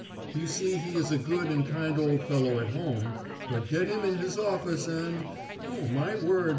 You see he is a good and kind old fellow at home, but get him in his office and—oh, my word!